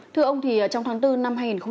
thưa ông thì trong tháng bốn năm hai nghìn hai mươi